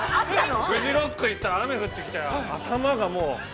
フジロック行ったら雨降ってきて、頭がもう。